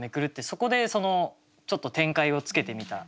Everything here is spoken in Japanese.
そこでちょっと展開をつけてみた。